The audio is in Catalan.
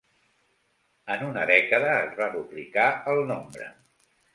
En una dècada es va duplicar el nombre.